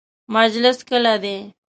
مجلس کله دی؟